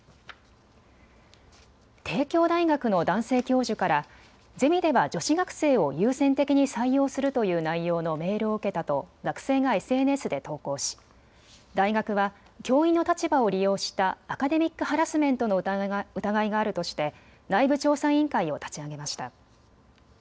帝京大学の男性教授からゼミでは女子学生を優先的に採用するという内容のメールを受けたと学生がＳＮＳで投稿し大学は教員の立場を利用したアカデミックハラスメントの疑いがあるとして内部調査委員会を立ち上げました。